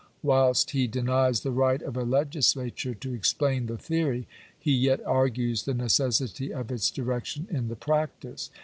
Whilst he denies the right of a legislature to explain the theory, he yet argues the necessity of its direction in the practice.